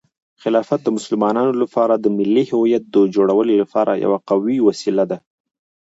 خلافت د مسلمانانو لپاره د ملي هویت د جوړولو لپاره یوه قوي وسیله ده.